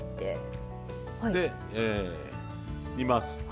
で煮ます。